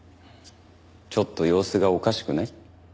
ちょっと様子がおかしくない？